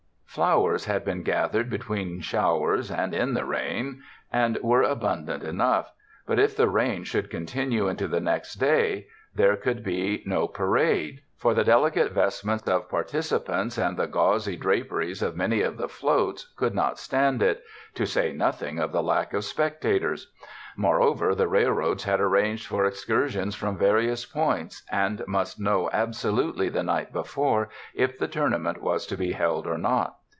Flowers had been gathered between showers and in the rain and were abundant enough; but, if the rain should con tinue into the next day, there could be no parade, 222 TOURIST TOWNS for the delicate vestments of participants and the gauzy draperies of many of the floats could not stand it — to say nothing of the lack of spectators. Moreover, the railroads had arranged for excur sions from various points, and must know abso lutely the night before if the Tournament was to be held or not.